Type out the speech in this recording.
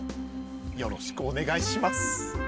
よろしくお願いします。